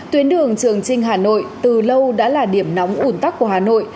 tuyến đường trường trinh hà nội từ lâu đã là điểm nóng ủn tắc của hà nội